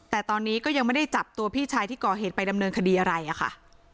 แต่ตอนนี้ก็ยังไม่ได้จับตัวพี่ชายที่ก่อเหตุไปดำเนินคดีอะไรอะค่ะ